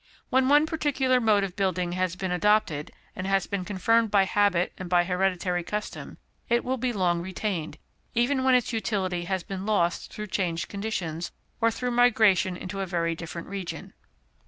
When once a particular mode of building has been adopted, and has become confirmed by habit and by hereditary custom, it will be long retained, even when its utility has been lost through changed conditions, or through migration into a very different region.